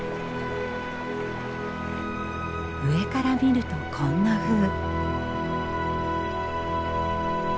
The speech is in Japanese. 上から見るとこんなふう。